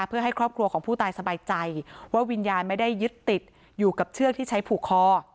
เพื่อให้ครอบครัวของผู้ตายสบายใจว่าวิญญาณไม่ได้ยึดติดอยู่กับเชือกที่ใช้ผูกคอ